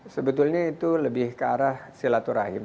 sebetulnya itu lebih ke arah silaturahim